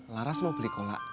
laras mau beli kolak